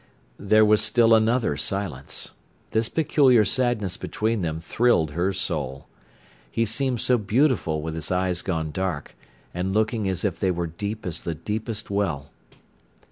There was still another silence. This peculiar sadness between them thrilled her soul. He seemed so beautiful with his eyes gone dark, and looking as if they were deep as the deepest well.